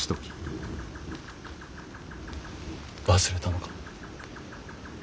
忘れたのか。